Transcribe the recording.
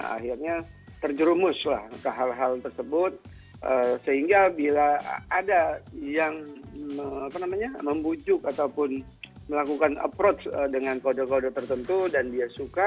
akhirnya terjerumuslah ke hal hal tersebut sehingga bila ada yang membujuk ataupun melakukan approach dengan kode kode tertentu dan dia suka